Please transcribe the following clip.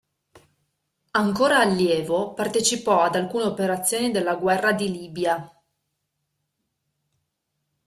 Ancora allievo partecipò ad alcune operazioni della Guerra di Libia.